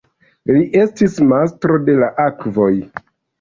Li estis "Mastro de la akvoj".